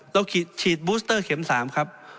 เราฉีดบูสเตอร์เข็ม๓ครับ